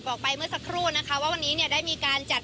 บอกไปเมื่อสักครู่นะคะว่าวันนี้เนี่ยได้มีการจัด